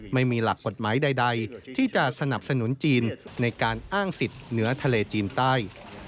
ไม่มีหลักกฎหมายใดที่จะสนับสนุนจีนในการอ้างสิทธิ์เหนือทะเลจีนใต้